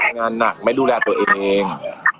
งานหนักไม่ดูแลตัวเองเอง